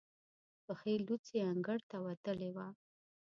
پښې لوڅې انګړ ته وتلې وه.